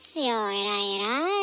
偉い偉い。